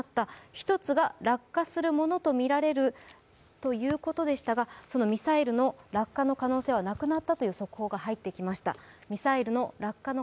１つが落下するものとみられるということでしたがそのミサイルの落下の可能性はなくなったという速報が入ってきました。